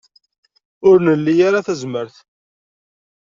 Ur nli ara tazmert.